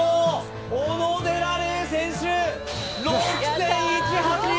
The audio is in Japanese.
小野寺玲選手６．１８１